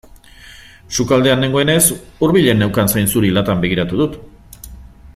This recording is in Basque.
Sukaldean nengoenez hurbilen neukan zainzuri latan begiratu dut.